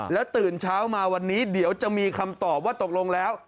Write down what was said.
แล้วตื่นเช้ามาวันนี้เดี๋ยวจะมีคำตอบว่าตกลงแล้ว